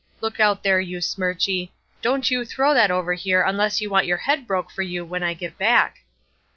Look out there, you Smirchy! Don't you throw that over here unless you want your head broke for you when I get back!"